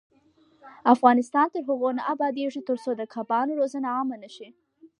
افغانستان تر هغو نه ابادیږي، ترڅو د کبانو روزنه عامه نشي.